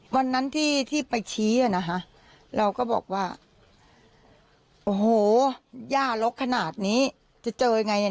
วันนั้นที่ไปชี้เราก็บอกว่าโอ้โหย่าลกขนาดนี้จะเจอยังไง